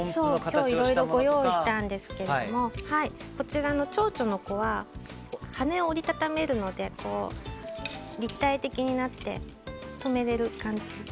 いろいろご用意したんですがこちらのチョウチョウの子は羽を折り畳めるので立体的になって留められる感じです。